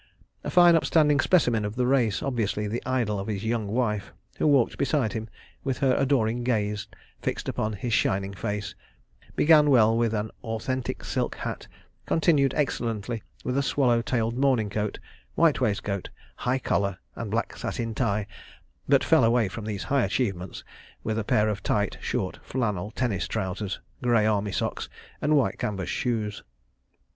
A fine upstanding specimen of the race, obviously the idol of his young wife, who walked beside him with her adoring gaze fixed upon his shining face, began well with an authentic silk hat, continued excellently with a swallow tailed morning coat, white waistcoat, high collar and black satin tie, but fell away from these high achievements with a pair of tight short flannel tennis trousers, grey Army socks, and white canvas shoes.